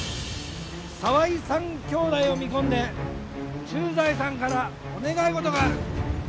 沢井三兄弟を見込んで駐在さんからお願い事がある。